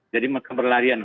jadi mereka berlarian